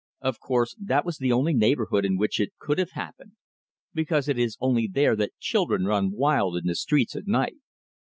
Of course, that was the only neighborhood in which it could have happened, because it is only there that children run wild in the streets at night.